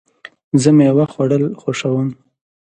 زه مېوه خوړل خوښوم.